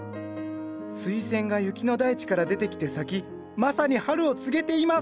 スイセンが雪の大地から出てきて咲きまさに春を告げています！